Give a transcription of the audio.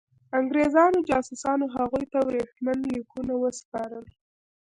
انګرېزانو جاسوسانو هغوی ته ورېښمین لیکونه وسپارل.